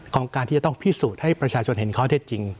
ของการที่จะต้องพิสูจน์ให้ประชาชนเห็นข้อเท็จจริง